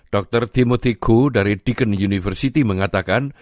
dr timothy koo dari deakin university mengatakan